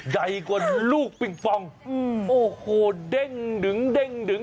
ใหญ่กว่าลูกปิงปองโอ้โหเด้งดึงเด้งดึง